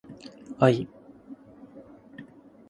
愛